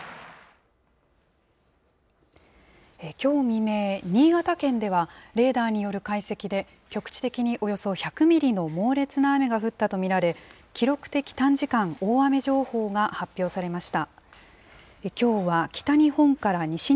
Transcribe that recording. きょう未明、新潟県ではレーダーによる解析で、局地的におよそ１００ミリの猛烈な雨が降ったと見られ、記録的短時間大雨情報が発表されました。